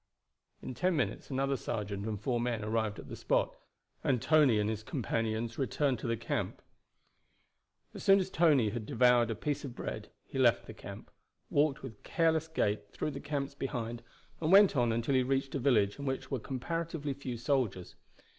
In ten minutes another sergeant and four men arrived at the spot, and Tony and his companions returned to the camp. As soon as Tony had devoured a piece of bread he left the camp, walked with careless gait through the camps behind, and went on until he reached a village in which were comparatively few soldiers.